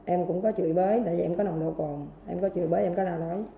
em cũng có chửi bới tại vì em có nồng độ cồn em có chửi bới em có nào đó ấy